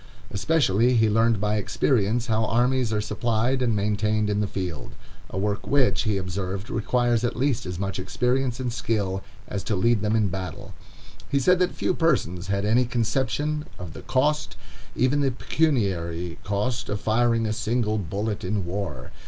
Especially, he learned by experience how armies are supplied and maintained in the field—a work which, he observed, requires at least as much experience and skill as to lead them in battle. He said that few persons had any conception of the cost, even the pecuniary cost, of firing a single bullet in war.